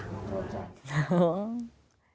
โทษจัง